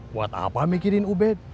buat apa mikirin ubed